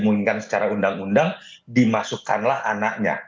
tidak dimulihkan secara undang undang dimasukkanlah anaknya